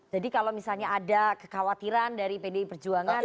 jadi kalau misalnya ada kekhawatiran dari pdi perjuangan pak prabowo